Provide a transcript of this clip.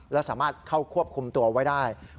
และสามารถเข้าควบคุมตัวไว้ได้